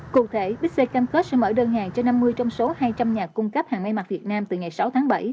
cụ thể bix cam kết sẽ mở đơn hàng cho năm mươi trong số hai trăm linh nhà cung cấp hàng may mặt việt nam từ ngày sáu tháng bảy